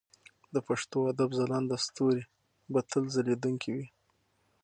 د پښتو ادب ځلانده ستوري به تل ځلېدونکي وي.